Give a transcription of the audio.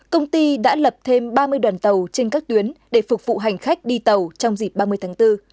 công ty đã lập thêm ba mươi đoàn tàu trên các tuyến để phục vụ hành khách đi tàu trong dịp ba mươi tháng bốn